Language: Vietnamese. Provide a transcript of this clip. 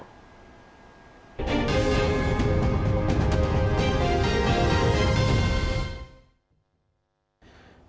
chuyên nãn tội phạm